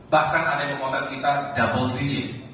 bahkan ada yang memotret kita double digit